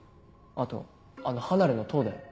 あとあの離れの塔だよ。